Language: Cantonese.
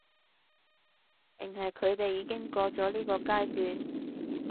定係佢哋已經過咗呢個階段？